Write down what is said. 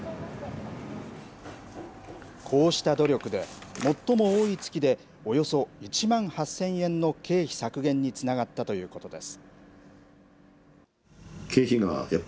こうした努力で、最も多い月で、およそ１万８０００円の経費削減につながったということです。